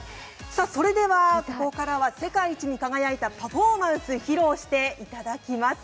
それではここからは世界一に輝いたパフォーマンスを披露していただきます。